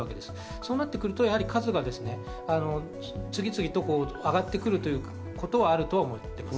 そうなると数は次々と上がってくることはあると思っています。